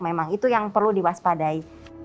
memang itu yang perlu diwaspadai